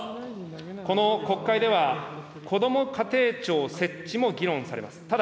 この国会では、こども家庭庁設置も議論されます。